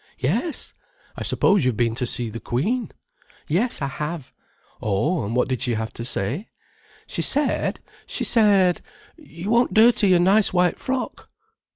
"Yes." "I suppose you've been to see the queen?" "Yes, I have." "Oh, and what had she to say?" "She said—she said—'You won't dirty your nice white frock.